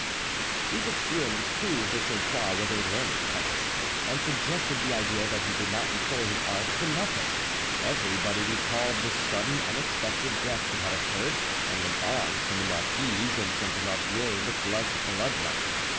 These experiments proved that Sainte Croix was a learned chemist, and suggested the idea that he did not employ his art for nothing; everybody recalled the sudden, unexpected deaths that had occurred, and the bonds from the marquise and from Penautier looked like blood money.